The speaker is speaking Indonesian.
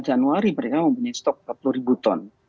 januari mereka mempunyai stok empat puluh ribu ton